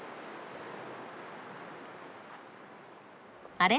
あれ？